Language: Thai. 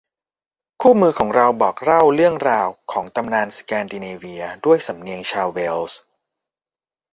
คู่มือของเราบอกเล่าเรื่องราวของตำนานสแกนดิเนเวียด้วยสำเนียงชาวเวลส์